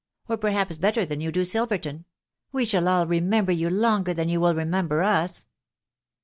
or perhaps better than you do Silverton :.... we shall all remember yqa longer than you will remember us."